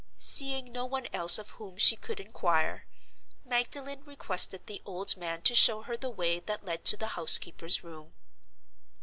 Seeing no one else of whom she could inquire, Magdalen requested the old man to show her the way that led to the housekeeper's room.